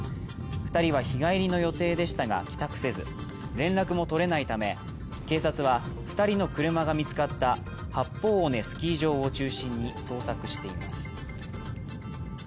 二人は日帰りの予定でしたが帰宅せず連絡も取れないため警察は二人の車が見つかった八方尾根スキー場を中心に捜索しています